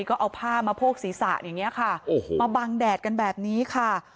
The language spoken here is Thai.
ก็เอาผ้ามาโพกศีรษะอย่างนี้ค่ะโอ้โหมาบังแดดกันแบบนี้ค่ะ